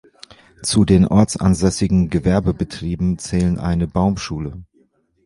Zu den ortsansässigen Gewerbebetrieben zählen eine Baumschule.